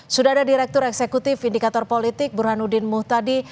sudah ada direktur eksekutif indikator politik burhanuddin muhtadi